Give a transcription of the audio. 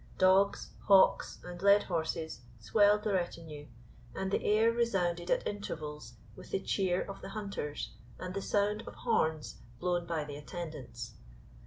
Dogs, hawks, and led horses swelled the retinue, and the air resounded at intervals with the cheer of the hunters, and the sound of horns blown by the attendants.